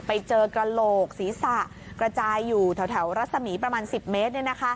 ไปเจอกระโหลกศีรษะกระจายอยู่แถวรัศมีประมาณ๑๐เมตร